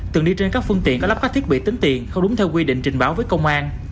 từng đi trên các phương tiện có lắp các thiết bị tính tiền không đúng theo quy định trình báo với công an